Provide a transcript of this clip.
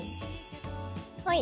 はい。